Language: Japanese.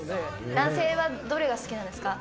男性はどれが好きなんですか。